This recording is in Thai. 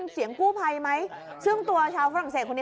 เสียงกู้ภัยไหมซึ่งตัวชาวฝรั่งเศสคนนี้